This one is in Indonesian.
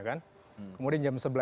kemudian jam sebelas